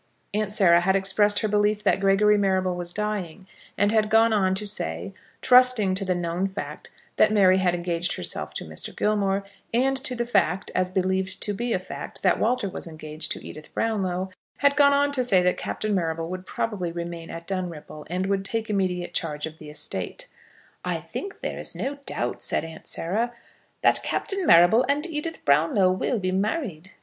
Aunt Sarah had expressed her belief that Gregory Marrable was dying; and had gone on to say, trusting to the known fact that Mary had engaged herself to Mr. Gilmore, and to the fact, as believed to be a fact, that Walter was engaged to Edith Brownlow, had gone on to say that Captain Marrable would probably remain at Dunripple, and would take immediate charge of the estate. "I think there is no doubt," said Aunt Sarah, "that Captain Marrable and Edith Brownlow will be married."